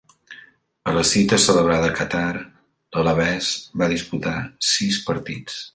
A la cita celebrada a Qatar, l'alabès va disputar sis partits.